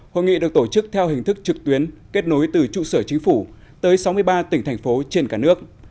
hội nghị được tổ chức theo hình thức trực tuyến kết nối từ trụ sở chính phủ tới sáu mươi ba tỉnh thành phố trên cả nước